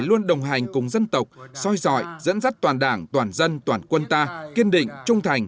luôn đồng hành cùng dân tộc soi dọi dẫn dắt toàn đảng toàn dân toàn quân ta kiên định trung thành